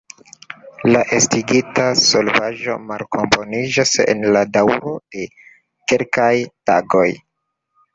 La estigita solvaĵo malkomponiĝas en la daŭro de kelkaj tagoj.